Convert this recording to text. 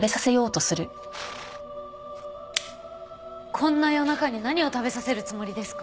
こんな夜中に何を食べさせるつもりですか？